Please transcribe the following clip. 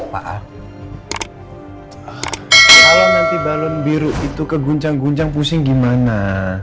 kalau nanti balon biru itu keguncang guncang pusing gimana